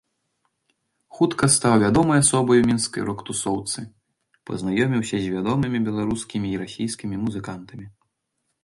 Хутка стаў вядомай асобай у мінскай рок-тусоўцы, пазнаёміўся з вядомымі беларускімі і расійскімі музыкантамі.